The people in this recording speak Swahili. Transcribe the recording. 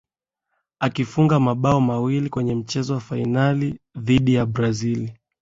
akifunga mabao mawili kwenye mchezo wa fainali dhidi ya Brazil